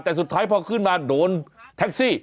แต่สุดท้ายพอขึ้นมาโดนแท็กซี่